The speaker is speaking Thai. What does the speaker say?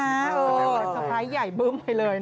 สไพรส์ใหญ่เบิ้มไปเลยนะครับ